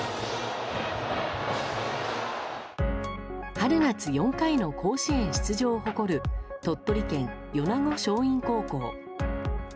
春夏４回の甲子園出場を誇る鳥取県、米子松蔭高校。